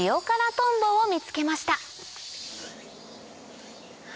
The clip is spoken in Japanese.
トンボを見つけました